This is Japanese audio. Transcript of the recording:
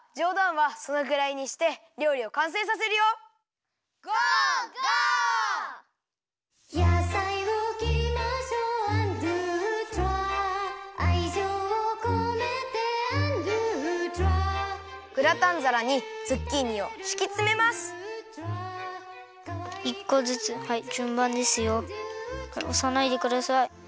はいおさないでください。